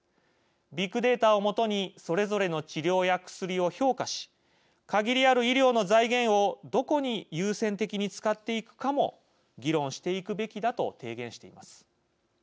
ビッグデータを基にそれぞれの治療や薬を評価し限りある医療の財源をどこに優先的に使っていくかも議論していくべきだと提言しています。